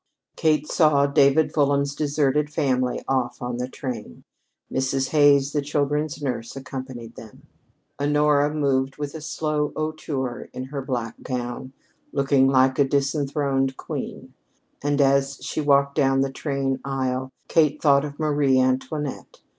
Kate saw David Fulham's deserted family off on the train. Mrs. Hays, the children's nurse, accompanied them. Honora moved with a slow hauteur in her black gown, looking like a disenthroned queen, and as she walked down the train aisle Kate thought of Marie Antoinette.